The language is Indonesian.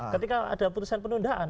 ketika ada putusan penundaan